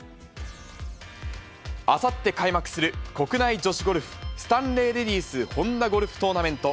あさって開幕する国内女子ゴルフスタンレーレディスホンダゴルフトーナメント。